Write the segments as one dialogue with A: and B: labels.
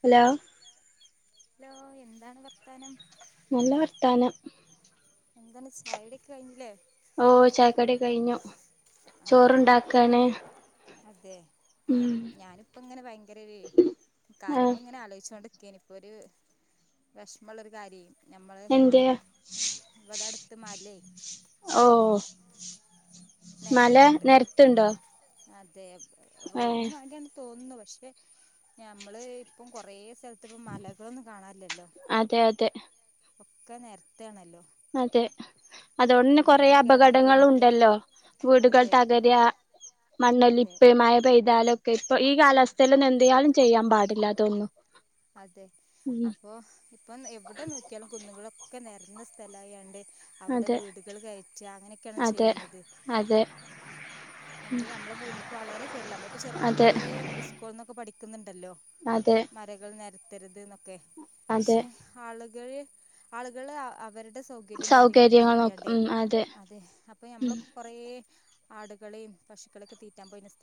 A: Hello
B: hello എന്താണ് വർത്താനം?
A: നല്ല വർത്താനം
B: എന്താണ് ചായുടൊക്കഴിഞ്ഞില്ലേ
A: ഓ ചായക്കടി കഴിഞ്ഞു
B: അതെയോ
A: ചോറുണ്ടാക്കാണ്
B: അതെ
A: ഉം
B: ഞാനിപ്പോ ഇങ്ങനെ ഭയങ്കരൊരു
A: ആ
B: കാര്യങ്ങളിങ്ങനെ ആലോചിച്ചോണ്ട് ഇന്ക്കൊരു വെഷമുള്ളൊരു കാര്യേ ഞമ്മള്
A: എന്ത്
B: ഇവിടെ അടുത്ത് മാല്ലേ
A: ഓ മല നെര്ത്ത്ണ്ടോ
B: അതെ റോഡിന് വാണ്ടിയാണ് തോന്നു ന്നു പക്ഷെ നമ്മള് ഇപ്പ കൊറേ സ്ഥ ഇതിപ്പോ മലകളൊന്നും കാണാനില്ലല്ലോ
A: അതെ അതെ
B: ക്കെ നെര്ത്താണല്ലോ
A: അതെ അതൊണ്ടെന്നെ കൊറേ
B: കേടാണല്ലോ ഭൂമിക്ക്
A: അപകടങ്ങളുണ്ടല്ലോ വീടുകൾ
B: അതെ
A: തകര
B: അതെ
A: മണ്ണോലിപ്പ് മഴ പെയ്താലൊക്കെ ഇപ്പൊ ഈ കാലാവസ്ഥ [unintelligible] എന്തേയ്യലും ചെയ്യാൻ പാടില്ല തോന്നുന്നു
B: അതെ അപ്പൊ ഇപ്പം എവിടെ നോക്കിയാലും കുന്നുകളൊക്കെ നെരത്ത് ന്ന സ്ഥലായണ്ട് അവിടെ
A: അതെ
B: വീടുകൾ കയറ്റ അങ്ങനെയൊക്കെയാണ്
A: അതെ
B: ചെയ്യുന്നത്
A: അതെ
B: അത് നമ്മള ഭൂമിക്ക് വളരെ കേട നമ്മളിപ്പോ
A: അതെ
B: ചെറുപ്പത്തിലെ സ്കൂളിൽ നിന്നൊക്കെ പഠിക്ക [inaudible] ണ്ടല്ലോ
A: അതെ
B: മര നെരത്തരുത് ന്ന് ക്കെ
A: അതെ
B: ക്ഷേ ആളുകള് ആളുകള് അവരു എ സൗകര്യം കാര്യങ്ങളൊക്കെ
A: സൗകര്യങ്ങൾ നോക്ക
B: നോക്കിയാണ്ടേ
A: ഉം
B: അതെ അപ്പൊ നമ്മളൊക്കെ കൊറേ ആടുകളെയും പശുളൊക്കെ തീറ്റാൻ പോയിന്ന സ്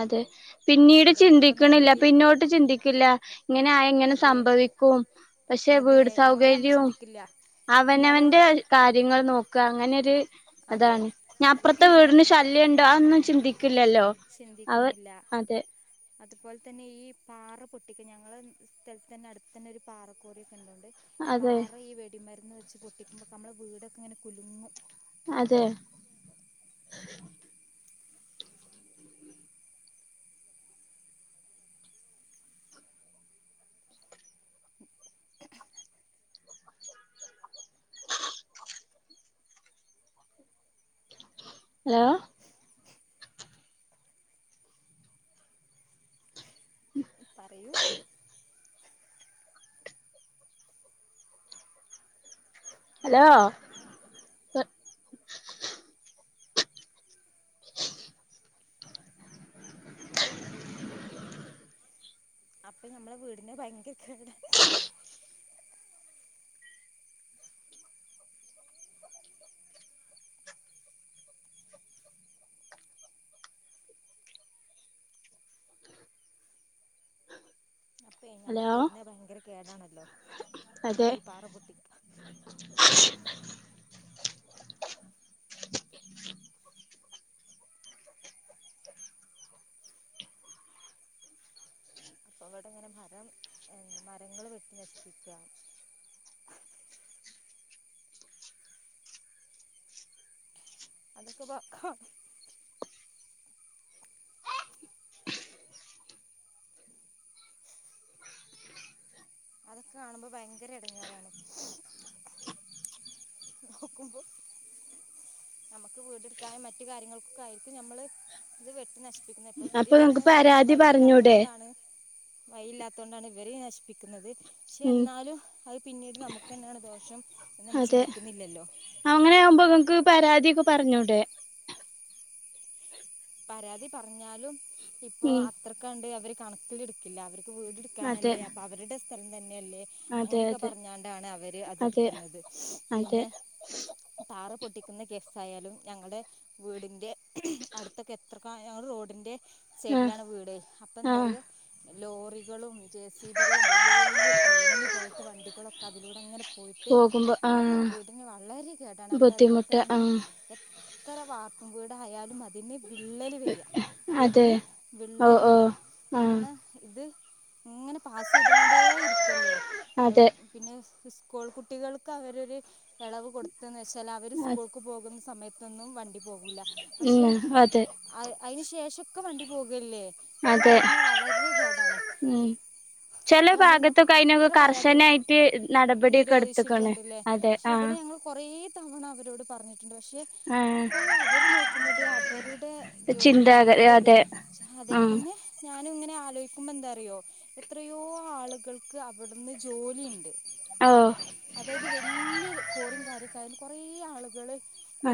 A: അതെ പിന്നീട്
B: അതൊക്കെ ഇപ്പം
A: ചിന്തിക്ക്ണില്ല
B: നിരത്തി
A: പിന്നോട്ട് ചിന്തിക്കില്ല ങ്ങനെ ആയ ങ്ങനെ
B: അതെ
A: സംഭവിക്കും പക്ഷെ
B: അതെ
A: വീട്
B: അങ്ങനെ നമ്മൾ
A: സൗകര്യവും
B: ചിന്തിക്കില്ല എന്നാലോ
A: അവനവന്റെ കാര്യങ്ങൾ നോക്ക അങ്ങനൊരു
B: അതെ
A: അതാണ് ഞാൻ അപ്പുറത്തെ വീടിന് ശല്യണ്ടോ അഒന്നും ചിന്തിക്കില്ലല്ലോ അവർ
B: ന്നില്ല
A: അതെ
B: അതുപോലെ തന്നെ ഈ പാറ പൊട്ടിക്ക ഞങ്ങളെ സ്ഥലത്തെന്നെ അടുത്തന്നെ ഒരു പാറ കോറി ണ്ട്
A: അതെ
B: പാറ ഈ വെടിമരുന്ന് വെ- വച്ച് പൊട്ടിക്കുമ്പോ നമ്മുടെ വീടൊക്കെ ങ്ങനെ കുലുങ്ങും
A: അതെ ഹലോ [unintelligible]
B: പറ പറയൂ [unintelligible]
A: ഹലോ [unintelligible]
B: അപ്പൊ ഞമ്മളെ വീടിന് ഭയങ്കര കേട അപ്പ
A: ഹലോ
B: വീടിനന് ഭയങ്കര കേടാണല്ലോ നമ്മള
A: അതെ
B: ഈ പാറ പൊട്ടിക്ക- അപ്പൊ [unintelligible] മരങ്ങൾ വെട്ടി നശിപ്പിക്കാം അത്ക്കപ്പ [unintelligible] [unintelligible] അതൊക്കെ കാണുമ്പോ ഭയങ്കര എടങ്ങേറാണ് നോക്കുമ്പോ നമ്മുക്ക് വീടെടുക്കാനും മറ്റു കാര്യങ്ങൾക്കൊക്കെ ആയിരിക്കും നമ്മള് ഇത് വെട്ട് നഷി പ്പിക്കുന്നത് ഇവര്
A: അപ്പൊ
B: ഇവിടെ
A: നിങ്ങക്ക് പരാതി
B: വഴി ഇല്ലാത്ത
A: പറഞ്ഞൂടെ
B: കൊണ്ടാണ് വഴി ഇല്ലാത്ത കൊണ്ടാണ് ഇവര് നശിപ്പിക്കുന്നത് പക്ഷെ
A: ഉം
B: എന്നാലും അത് പിന്നീട് നമുക്ക് തന്നെയാണ് ദോഷം എന്ന് നമ്മൾ
A: അതെ
B: ചിന്തിക്കുന്നില്ലല്ലോ
A: അങ്ങനെ ആകുമ്പോ ഇങ്ങക്ക് പരാതിയൊക്കെ പറഞ്ഞൂടെ
B: പരാതി പറഞ്ഞാലും ഇപ്പൊ
A: ഉം
B: അത്രക്കാണ്ട് അവർ കണക്കിലെടുക്കില്ല അവർ
A: അതെ
B: വീടെടുക്കാനല്ലേ അപ്പൊ അവരുടെ സ്ഥലം തന്നെയല്ലേ
A: അതെ
B: അങ്ങനെയൊക്കെ
A: അതെ
B: പറഞ്ഞാണ്ടാണ് അവര് അത്
A: അതെ
B: എടുക്കുന്നത്
A: അതെ
B: പിന്നെ പാറ പൊട്ടിക്കുന്ന ആയാലും ഞങ്ങളുടെ വീടിന്റെ അടുത്ത എത്രക്കായാലും റോഡിന്റെ
A: ആഹ്
B: സൈഡിലാണ് വീട് അപ്പൊ
A: ആഹ്
B: എന്താന്നറിയോ ലോറികളും ജെ സി ബികളും വലിയ വലിയ ക്രെയിനിൽ പോലത്തെ വണ്ടികളൊക്കെ അതിലൂടെങ്ങനെ പോയിട്ട്
A: പോകുമ്പോ
B: നമ്മൾ
A: ആഹ്
B: വീടിന് വളരെ കേടാണ് നമ്മൾ അതുപോലെ
A: ബുദ്ധിമുട്ട്
B: തന്നെ ഇ
A: ആഹ്
B: ഇത്തര വാർത്ത കൂടെ ആയാലും അതിനെ വിള്ളല് വരിയാ
A: അതെ
B: വീടിന്
A: ഓ
B: വിള്ളല്
A: ഓ
B: വരിയാ
A: ആഹ്
B: കാരണം ഇത് ഇങ്ങനെ പാസ് ചെയ്തോണ്ടേ ഇരിക്കല്ലേ അ
A: അതെ
B: പിന്നെ സ്കൂൾ കുട്ടികൾക്ക് അവരു ഇളവ് കൊടുത്തന്ന് വെച്ച എല്ലാവരും സ്കൂൾക്ക് പോകുന്ന സമയത്ത് തൊന്നും വണ്ടി പോകൂല്ല പക്ഷെ
A: ഉം അതെ
B: അ അയിന് ശേഷം ഒക്കെ മണ്ടി പോകല്ലേ നമ്മുടെ
A: അതെ
B: വീടിന് വളരെ കേടാണ്
A: ഉം ചെല
B: അപ്പം നമ്മൾ ഇനി
A: ഭാഗത്തൊക്കെ അയിനൊക്കെ
B: എത്ര പരാതി കൊടു
A: കർശനായിട്ട് നടപടിയൊക്കെ എടുത്തക്കണ്
B: നിരോധിച്ചിട്ടുണ്ടല്ലേ
A: അതെ
B: പക്ഷെ ഇവിടെ
A: ആഹ്
B: ഞങ്ങൾ കുറേ തവണ അവരോട് പറഞ്ഞു ണ്ട് പക്ഷെ
A: ആഹ്
B: അപ്പോഴും അവര് നോക്കുന്നത് അവര് അവരുടെ ജോലി
A: ചിന്താഗതി
B: അവരുടെ ഇത്
A: അതെ
B: അതെ
A: ആഹ്
B: പിന്നെ ഞാനും ഇങ്ങനെ ആലോചിക്കുമ്പോ എന്താറിയോ എത്രയോ ആളുകൾക്ക് അവിടുന്ന് ജോലിയുണ്ട്
A: ഓ
B: അതായത് വലിയ കോറിം കാര്യക്കായാലും കുറേ ആളുകൾ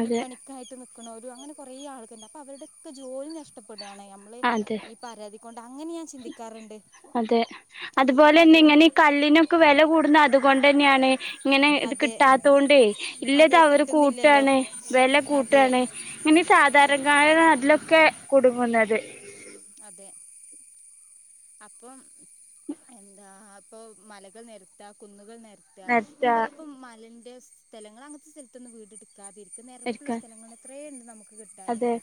A: അതെ
B: നിക്ക് ക്കണോരു അങ്ങനെ കുറെ ആൾ അവർടൊക്കെ ജോലി നഷ്ടപെ ഞമ്മള്
A: അതെ
B: ഈ പരാതികൊണ്ട
A: അതെ അതുപോലെ
B: അപ്പോൾ
A: തന്നെ
B: അതുകൊണ്ട്
A: ഇങ്ങനെ ഈ കല്ലിനൊക്കെ വില കൊടുന്നത് അത്കൊണ്ടുതന്നാണ് ഇങ്ങനെ ഇത്
B: അതെ
A: കിട്ടാത്തോണ്ടെയ് ഇല്ലത്
B: അതെ
A: അവർ
B: കിട്ടുന്നില്ലല്ലോ
A: കൂട്ടാണ് വില
B: അതെ
A: കൂട്ടാണ് ഇങ്ങനെ സാധാരണ
B: അതെ
A: [unintelligible] ക്ക് കുടുങ്ങുന്നത്
B: അതെ അപ്പൊ എന്താ അപ്പൊ മലകൾ നിർത്താ കുന്നുകൾ നിര ത്ത ഞാൻ
A: നെരത്താ
B: പറയും പ്പൊ മലന്റെ ചെലങ്ങൾ അങ്ങനത്തെ സെറ്റ് [unintelligible] [unintelligible] നിരപ്പുള്ള
A: ഇരിക്കാൻ
B: സ്ഥലങ്ങൾ എത്രയ ഉണ്ട് നമുക്ക് കിട്ടാൻ
A: അതെ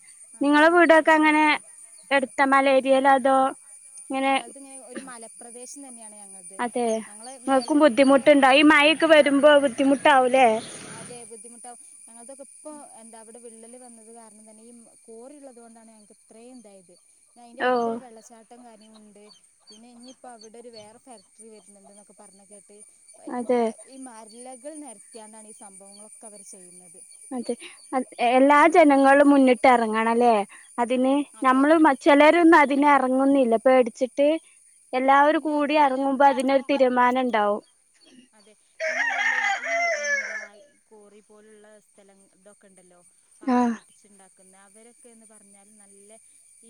A: നിങ്ങള
B: അപ്പോൾ
A: വീടൊക്കെ
B: നമുക്ക്
A: അങ്ങനെ എടു മലേരിയെലാ അതോ
B: നങ്കൾത് ഇങ്ങനെ ഒരു മലപ്രദേശ തന്നെയാണ് ഞങ്ങളത്
A: അതെ,
B: ഞങ്ങള് മേലെ
A: ങ്ങക്കും
B: ഇപ്പോ
A: ബുദ്ധിമുട്ടുണ്ടാവു, ഈ മഴൊക്കെ
B: അതെ
A: വരുമ്പോ ബുദ്ധിമുട്ടാവൂലേ
B: അതെ ബുദ്ധിമുട്ടാവും ഞങ്ങൾക്കൊക്കെ ഇപ്പൊ എന്താ അവിടെ വിള്ളല് വന്നത് കാരണം തന്നെ ഈ കോറിള്ളത് കൊണ്ടാണ് ഞങ്ങൾക്ക് ഇത്രയും ഇതായത്
A: ഓ
B: അയിന്റെട്തൊരു വെള്ളച്ചാട്ടം ണ്ട് പിന്നെ ഇനിയിപ്പോ അവിടെ ഒരു വേറെ ഫാക്ടറി വരുന്നുണ്ട് എന്നൊക്കെ പറഞ്ഞ കേട്ട വല്ല
A: അതെ
B: ഈ മറല്ല [unintelligible] [unintelligible] ഈ സംഭവങ്ങളൊക്കെ അവർ ചെയ്യുന്നത്
A: അതെ അ എല്ലാ ജനങ്ങളും മുന്നിട്ട് ഇറങ്ങണം അല്ലേ അതിന്
B: അതെ
A: നമ്മള് ചിലരൊന്നും അതിന് ഇറങ്ങുന്നില്ല പേടിച്ചിട്ട് എല്ലാവരും
B: പിന്നെ
A: കൂടി
B: അതുമല്ല
A: ഇറങ്ങുമ്പോ അതിനൊരു തീരുമാനം ഉണ്ടാവും
B: അതെ പിന്നെ അതെല്ലേ ഈ എന്താ ഈ കോറി പോലുള്ള സ്ഥലം ഇതൊക്കെ ഉണ്ടല്ലോ പാറ
A: ആഹ്
B: പൊട്ടിച്ചുണ്ടാക്കി അവരൊക്കെന്ന് പറഞ്ഞാൽ നല്ല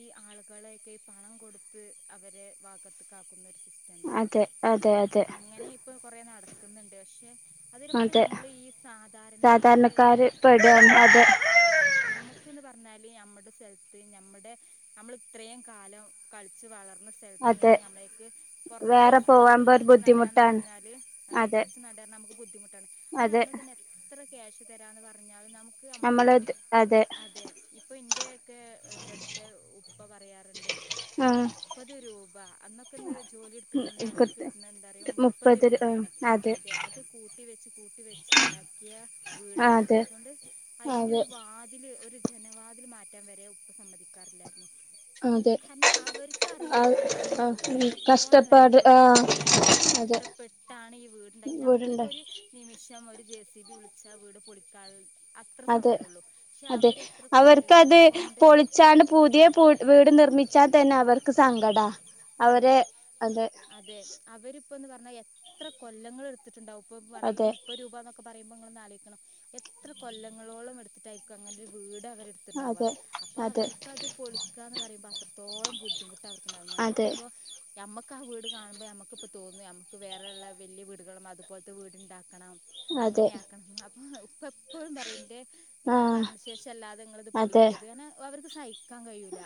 B: ഈ ആളുകളെയൊക്കെ ഈ പണം കൊടുത്ത് അവരെ ഭാഗത്ത്ക്കാക്കുന്ന ഒരു സിസ്റ്റം ഉണ്ടല്ലോ
A: അതെ അതെ അതെ
B: അങ്ങനെ ഇപ്പൊ കൊറേ നടക്കുന്നുണ്ട് പക്ഷെ അതിലൊക്കെ
A: അതെ
B: നമ്മൾ ഈ സാധാരണക്കാരാണ്
A: സാധാരണക്കാര് പെടാണ്
B: കുടുങ്ങുന്നത്
A: അതെ
B: അതെ നമുക്ക്ന്ന് പറഞ്ഞ നമ്മുടെ സ്ഥലത്ത് നമ്മുടെ നമ്മൾ ഇത്രേം കാലം കളിച്ചും വളർന്ന സ്ഥലത്ത്
A: അതെ
B: നിന്ന് നമ്മളെയൊക്കെ
A: വേറെ
B: പുറത്തൊരു സ്ഥലത്ത്ക്ക്
A: പോവാമ്പോ ഒരു
B: പറിച്ച് നടാന്ന് പറ
A: ബുദ്ധിമുട്ടാണ്
B: അതെ പറിച്ച് നടാന്ന് നമുക്ക് ബുദ്ധിമുട്ടാണ് അതുകൊണ്ട്
A: അതെ
B: നമ്മള് തന്നെ എത്ര ക്യാഷ് തരാന്ന് പറഞ്ഞാലും നമ് നമ്മുടെ അതെ ഇപ്പൊ ഇന്റെയൊക്കെ ഇബ്ടത്തെ ഉപ്പ് [unintelligible] പറയാറുണ്ട് ഇങ്ങനെ
A: ആഹ്
B: മുപ്പത് രൂപ അന്നൊക്കെന്ന് ജോലി എടുത്ത് കഴിഞ്ഞാൽ അവർക്ക് കിട്ടുന്നതെന്താന്നറിയോ മുപ്പത് രൂപയാണ് അതെ അത് കൂട്ടി വെച്ച് കൂട്ടി വെച്ച് ഇണ്ടാക്കിയ വീടാണത്
A: അതെ
B: അതുകൊണ്ട് അതിന്റെ
A: അതെ
B: ഒരു വാതിൽ ഒരു ജനവാതിൽ മാറ്റാൻ വരെ ഉപ്പ സമ്മതിക്കാറില്ലായിരുന്നു.
A: അതെ
B: [unintelligible]
A: ആ
B: അവർക്കറിയാം അവര് എന്ത്
A: ആ
B: എത്രത്തോളം വെല
A: കഷ്ടപ്പാട് ആ
B: കൊടുത്ത് അതെ കഷ്ട ട്ടാണ് ഈ വീടുണ്ടാക്കിത് നമുക്കിപ്പോ
A: വീടുണ്ട്
B: ഒര് നിമിഷംഒര് ജെ സി ബി വിളിച്ചാ വീട് പൊളിക്കാൾ
A: അതെ അതെ അവർക്ക്
B: കൊല്ലങ്ങൾ
A: അത്
B: കൊണ്ട്
A: പൊളിച്ചാണ്ട് പുതിയ പൂട് വീട് നിർമിക് ച്ചാ തന്നെ അവർക്ക് സങ്കടാ
B: അതെ
A: അവരെ അതെ
B: അതെ അവര് പ്പൊന്ന് പർഞ്ഞാ എത്ര കൊല്ലങ്ങൾ എടു ത്തിട്ടുണ്ടാഉ പ്പൊ പറ്യാ ഈ
A: അതെ
B: മുപ്പഹ് രൂപ ന്നൊക്കെ പറയിമ്പോ ഇങ്ങളൊന്ന് ആലോയ് ക്കണം. എത്ര കൊല്ലങ്ങളോളം എടുത്തിട്ടായിരിക്കും അങ്ങനൊരു വീട് അവ വരെടുത്ണ്ടാവ
A: അതെ
B: അപ്പൊ
A: അതെ
B: അവർക്കത് പൊളിക്കാന്ന് പറയുമ്പോ അത്ര ത്തോളം ബുദ്ദിമുട്ട് [unintelligible]
A: അതെ
B: ക്പൊ ഞമ്മക്ക് ക്കാ വീട് കാണുമ്പോ നമുക്കിപ്പോ തോന്നെ അംക്ക് വേറെള്ള വെല്യ വീട്കളും അതുപോൽത്തെ വീട്ണ്ടാക് കണം
A: അതെ
B: അങ്ങനെയാക്കണം അഭാ ഉപ്പ എപ്പഴും പറി ന്റെ
A: ആ
B: ങ്ങെ മരണശേഷല്ലാതെ ങ്ങള്ത്
A: അതെ
B: പൊളിക്കര്ത് കാന വവര് സായി ക്കാൻ കഴിയൂല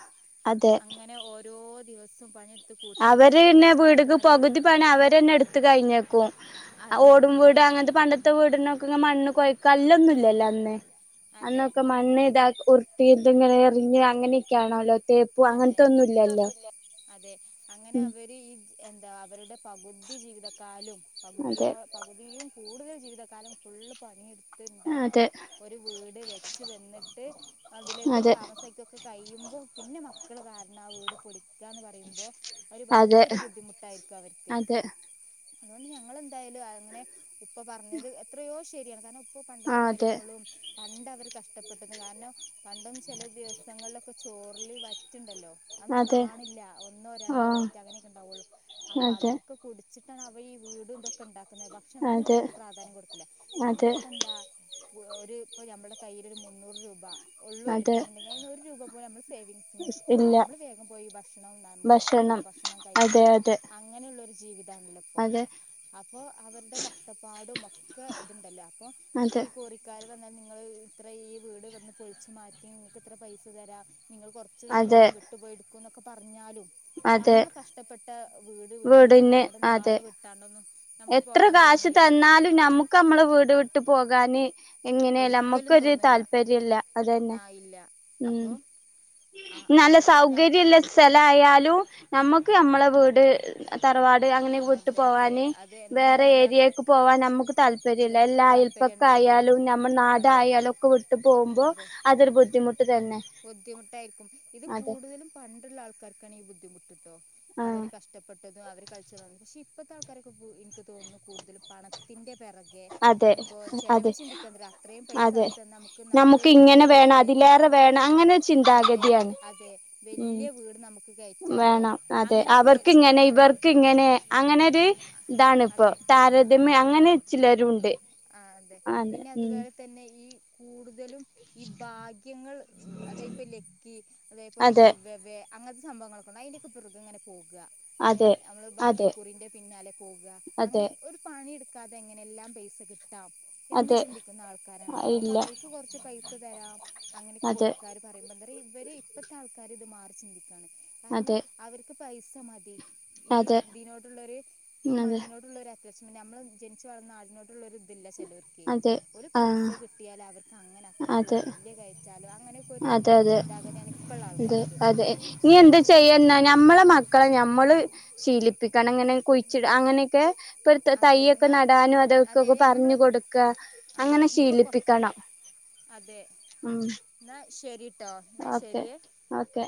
A: അതെ
B: അങ്ങനെ ഓ രോ ദിവസ സും പണി
A: അവര് ന്നെ വീട്ക്ക് പകുതി പണി അവര്ന്നെ എടുത്ത് കഴിഞ്ഞേക്കും അ
B: അതെ
A: ഓടും വീട് അങ്ങനത്തെ പണ്ടത്തെ വീട്‌നൊ ക്ക്ങ്ങ മണ്ണ് കൊഴയ്ക്കല്ലൊന്നും ഇല്ലല്ലോ അന്ന്
B: അതെ
A: അന്നൊക്കെ മണ്ണ് ഇതാ ഉര്ട്ടി ഇതിങ്ങനെ എറിഞ് അങ്ങനെയൊക്കെയാണോല്ലോ തേപ്പും
B: അതെ
A: അങ്ങൻത്തെ ഒന്നുംല്ലല്ലോ
B: അതെ അങ്ങനെ അവര് ഈ എന്താ അവരുടെ പകുതി ജീവിതക്കാലും പകുതിയോ
A: അതെ
B: പകുതിയും കൂടുതൽ ജീവിതകാലം ഫുള് പണിയെടുക്കും ഉണ്ടാക്കി
A: അതെ
B: ഒരു വീട് വെച്ച് വന്നിട്ട് അതിലേക്കും
A: അതെ
B: താമസക്കൊക്കെ കൈ ചെയുമ്പോ പിന്നെ ന മക്കള് കാരണം ആ വീട് പൊളിക്കാന്ന് പറയുമ്പോൾ ഒരു
A: അതെ
B: ഭയങ്കര ബുദ്ധിമുട്ടായിരിക്കും അവർക്ക്
A: അതെ
B: അതുകൊണ്ട് ഞങ്ങൾ എന്തായാലും അങ്ങനെ ഉപ്പ പറഞ്ഞത് എത്രയോ ശരിയാണ് കാരണം പ്പു
A: ആ
B: പണ്ടത്തെ
A: അതെ
B: കാര്യങ്ങളും പണ്ട് അവര് ഇഷ്ടപ്പെട്ടുന്നു കാരണം പണ്ടും ചില ദിവസങ്ങളിലൊക്കെ ചോറിലി വ ട്ടുണ്ടല്ലോ അന്നും
A: അതെ
B: കാണില്ല ഒന്നോ
A: ആ
B: രണ്ടോ വറ്റ അങ്ങനെയൊക്കെ ഉണ്ടാവുള്ളു അപ്പൊ
A: അതെ
B: അതൊക്കെ കു ചിട്ടാണ് അവ ഈ വീടും ഇന്തൊക്കെ ഉണ്ടാക്ക ഭക്ഷണത്തിന്
A: അതെ
B: കൂടുതൽ പ്രാധാന്യം കൊടുക്കില്ല
A: അതെ
B: നമ്മളിപ്പ എന്താ ഒരു ഇപ്പൊ നമ്മുടെ കൈയിൽ ഒരു മുന്നൂറ് രൂപ ഉള്ളൂ
A: അതെ
B: എടുക്കാനുണ്ടങ്കിൽ അതിൽ നിന്നും ഒരു രൂപ പോലും നമ്മള് സേവിങ്സ്
A: ഇല്ല
B: വേകാറില്ല നമ്മള് വേഗം പോയി ഭക്ഷണം നമുക്ക് ഇഷ്ടപ്പെട്ട ഭക്ഷണം
A: അതെ
B: കഴിക്കാം
A: അതെ
B: അങ്ങനെ ഉള്ള ഒരു ജീവിതം ഇതാണല്ലോ
A: അതെ
B: ഇപ്പം അവരുടെ കഷ്ടപ്പാട് മ ഒക്കെ ഇതുണ്ടല്ലോ ഇപ്പൊ ഇപ്പോ
A: അതെ
B: ഈ കോറികാലും ൽ നിങ്ങ ഇത്ര ഈ വീട് ഇവിന്ന് പൊളിച്ചു മാറ്റി നിങ്ങൾക്ക് ഇത്ര പൈസ തരാം നിങ്ങൾ കോ
A: അതെ
B: സ്ഥലം വിട്ടുപോയിടുക്കുന്ന ഒക്കെ പറഞ്ഞാലും
A: അതെ
B: നമ്മൾ കഷ്ടപ്പെട്ട വീട് വിട്ടു
A: വീടിന്
B: ഞമ്മുടെ
A: അതെ
B: നാട് വിട്ടാണ്ടൊന്ന്
A: എത്ര കാശ് തന്നാലും നമ്മുക്ക് നമ്മള് വീട് വിട്ട് പോക പോക്കാന് എങ്ങനെയല്ല
B: ഒരിക്കലും
A: നമ്മുക്കൊരു
B: തോന്നില്ല
A: താല്പര്യമല്ല അതന്നെ
B: ആഹ് ഇല്ല അപ്പൊ
A: ഉം
B: ആഹ്
A: നല്ല
B: അപ്പൊ ഞം
A: സൗകര്യമുള്ള സ്ഥലയാലും നമ്മുക്ക് ക്കെ നമ്മളെ വീട് തറവാട് അങ്ങനെ
B: ആഹ്
A: വിട്ട്
B: അതെ അതെ
A: പോവാന്
B: അത്
A: വേറെ
B: എന്തായാലും
A: ഏരിയേക്ക് പോവാൻ നമുക്ക് താല്പര്യല്ല എല്ലാ
B: താല്പര്യം ഉണ്ടാവില്ല
A: അയൽപക്കായാലും നമ്മൾ നാട്
B: അതെ
A: ആയാലും ഒക്കെ വിട്ടു പോകുമ്പോ
B: അതെ ഇ
A: അതൊരു ബുദ്ധിമുട്ട് തന്നെ
B: ബുദ്ധിമുട്ടായിരിക്കും ഇത് കൂടുതലും പണ്ടുള്ള ആൾക്കാർക്കാണിബുദ്ധിമുട്ട്
A: ആഹ്
B: അവര് കഷ്ടപ്പെട്ടതും അവർ പക്ഷെ ഇപ്പഴത്തെ ആൾക്കാരൊക്കെ എനിക്ക് തോന്നുന്നു കൂടുതലും പണത്തിന്റെ പിറകെ
A: അതെ
B: ഇപ്പോ ചെിലവർ
A: അതെ
B: ചിന്തിക്കാൻ തരാ അത്രയും പൈസ
A: അതെ
B: അവർന്നെ നമുക്ക് നല്ല വല്യ
A: ഇങ്ങനെ
B: വീട്
A: വേണം
B: കയറ്റാം
A: അതിലേറെ വേണം അങ്ങനെ ഒരു
B: അതെ
A: ചിന്താഗതിയാണ്
B: അതെ
A: ഉം
B: വലയ വീട് നമുക്ക് കയറ്റാലോ
A: വേണം അതെ
B: അങ്ങനെയൊക്കെ
A: അവർക്ക് ഇങ്ങനെ
B: ചിന്തിക്കുന്ന ആളാ
A: ഇവർക്ക് എനെ അങ്ങനെ ഇതാണ് ഇപ്പോ
B: അതെ
A: താരതമ്യം അങ്ങനെ ചിലരുഉണ്ട്
B: ആ അതെ പിന്നെ അതുപോലെ തന്നെ ഈ കൂടുതലും ഈ ഭാഗ്യങ്ങൾ അത ഇപ്പൊ ലക്കി അതപ
A: അതെ
B: ഗിബ അങ്ങത്തെ സംവങ്ങൾക്ക ഉണ്ട് അതിതന്റയ് ഒക്കെ പുറകെ ഇങ്ങനെ പോകും ഏ
A: അതെ
B: നമ്മള്
A: അതെ
B: ഭാഗ്യക്കുറിന്റെ പിന്നാലെ പോകുക
A: അതെ
B: അങ്ങനെ ഒരു പണിെടുക്ക അതെങ്ങനെ എല്ലാം പൈസ കിട്ടും ത എന്ന്
A: അതെ
B: ചിന്തിക്കുന്ന ആൾക്കാരണ ഇപ്പ അപ്പൊ
A: ഇല്ല
B: അവർക്ക് കൊറച്ച് പൈസ തരാം അങ്ങനെയൊക്കെ
A: അതെ
B: കുറക്കാര് പറയുമ്പോ ഇവരെ ഇപ്പഴത്തെ ആൾക്കാർ ഇത് മാറി ചിന്തിക്കുകയാണ് കാരണം
A: അതെ
B: അവർക്ക് പൈസ മതി ഈ
A: അതെ
B: ഇതിനോട്ടുള്ള ഒരു ഈ
A: അതെ
B: മണ്ണിനോട്ടുള്ള നമ്മള് ജനിച്ചു വളന്ന നാടിനോടുയുള്ള ഇല്ല ചിലർക്ക്
A: അതെ
B: ഒരു പൈസ
A: ആഹ്
B: കിട്ടിയാൽ അവർക്ക് അങ്ങനെ അത്ര
A: അതെ
B: വീട് വലിയ കയറ്റാലോ അങ്ങനെയൊക്കെ ഒരു
A: അതെ അതെ
B: ചിന്താഗതിയാണ് ഇപ്പോഴുള്ള
A: അതെ
B: ആൾക്കാർക്ക്
A: അതെ ഇനി
B: പക്ഷേ
A: എന്ത് ചെയ്യുന്ന ഞമ്മളെ മക്കളെ ഞമ്മള് ശീലിപ്പിക്കും ണം അങ്ങനെ കുഴിച്ചി അങ്ങനെയൊക്കെ ഇപ്പൊ
B: അതെ
A: തയ്യൊക്കെ
B: ഞാൻ
A: നടാനും
B: അതെ
A: അതൊക്കൊക്കെ
B: നമ്മൾ
A: പറഞ്ഞു കൊടുക്ക
B: അതെ
A: അങ്ങനെ
B: ഇനിയിപ്പോൾ കൊ
A: ശീലിപ്പിക്കണം
B: അതെ
A: ഉം
B: എന്നാ ശരിട്ടോ എന്നാ
A: ഓക്കെ
B: ശരിയേ
A: ഓക്കെ